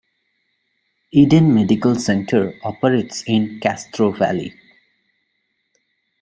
Eden Medical Center operates in Castro Valley.